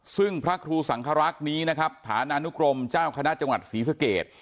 ซึ่งพระครูสังครักษ์นี้นะครับฐานานุกรมเจ้าคณะจังหวัดศรีสเกต